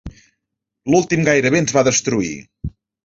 L'últim gairebé ens va destruir.